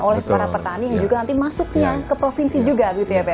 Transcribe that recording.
oleh para petani yang juga nanti masuknya ke provinsi juga gitu ya pak